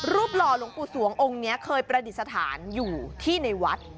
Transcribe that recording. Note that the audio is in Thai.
หล่อหลวงปู่สวงองค์นี้เคยประดิษฐานอยู่ที่ในวัด